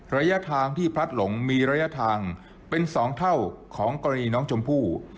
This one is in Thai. ระยะทางที่พลัดหลงมีระยะทางเป็น๒เท่าของกรณีน้องชมพู่